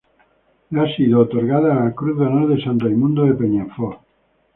Le ha sido otorgada la Cruz de Honor de San Raimundo de Peñafort.